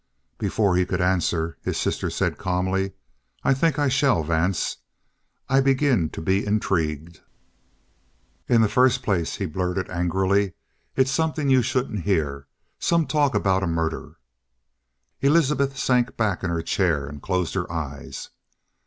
Before he could answer, his sister said calmly: "I think I shall, Vance. I begin to be intrigued." "In the first place," he blurted angrily, "it's something you shouldn't hear some talk about a murder " Elizabeth sank back in her chair and closed her eyes.